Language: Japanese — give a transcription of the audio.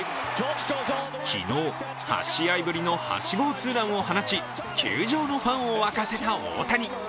昨日、８試合ぶりの８号ツーランを放ち球場のファンを沸かせた大谷。